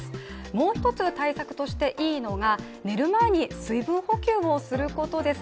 もう一つ対策としていいのが寝る前に水分補給をすることです